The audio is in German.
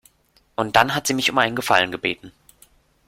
Und dann hat sie mich um einen Gefallen gebeten.